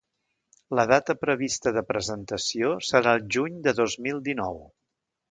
La data prevista de presentació serà el juny de dos mil dinou.